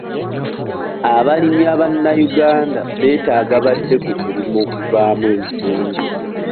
Abalimi abannayuganda beetaaga badde ku kulima okuvaamu ensimbi.